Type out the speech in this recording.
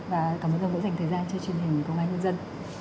và cảm ơn ông đã dành thời gian cho truyền hình công an nhân dân